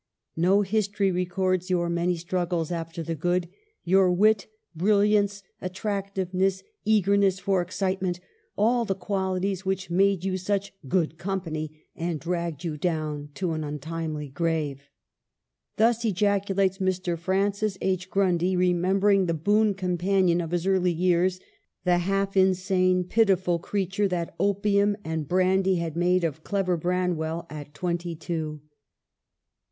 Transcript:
No history records your many struggles after the good — your wit, brilliance, attractiveness, eagerness for excite ment — all the qualities which made you such ' good company ' and dragged you down to an untimely grave." Thus ejaculates Mr. Francis H. Grundy, re membering the boon companion of his early years, the half insane, pitiful creature that opium and brandy had made of clever Branwell at twenty two.